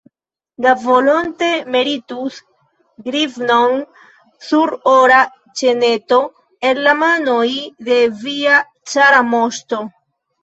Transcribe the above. Li volonte meritus grivnon sur ora ĉeneto el la manoj de via cara moŝto.